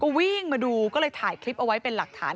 วิ่งมาดูก็เลยถ่ายคลิปเอาไว้เป็นหลักฐาน